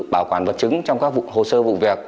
bảo quản vật chứng trong các hồ sơ vụ việc